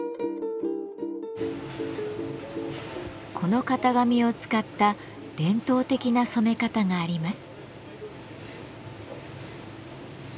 この型紙を使った伝統的な染め方があります。